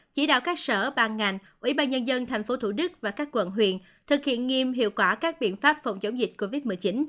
chỉ đạo các sở ban ngành ủy ban nhân dân tp thủ đức và các quận huyện thực hiện nghiêm hiệu quả các biện pháp phòng chống dịch covid một mươi chín